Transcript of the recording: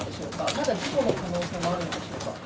まだ事故の可能性もあるんでしょうか。